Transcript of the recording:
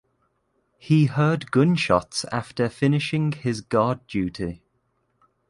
He heard gunshots after finishing his guard duty.